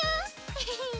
エヘヘッ。